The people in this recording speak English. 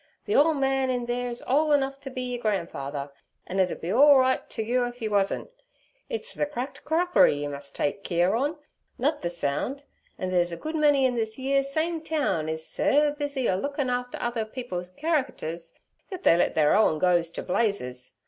The ole man in theer'es ole enough to be yer gran'father, an' it ud be all right t' you if 'e wasn't. It's ther cracked crockery yer mus' take keer on, nut ther sound, and theere's a good many in this yeer same towen is ser busy a lookin' after others people's char racters thet they let their owen go t' blazes.